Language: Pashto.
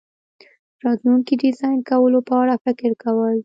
د راتلونکي ډیزاین کولو په اړه فکر کول